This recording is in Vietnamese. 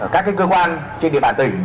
các cái cơ quan trên địa bàn tỉnh